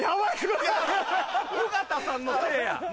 尾形さんのせいや！